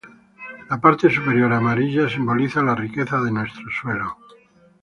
La parte superior amarilla simboliza la riqueza de nuestro suelo.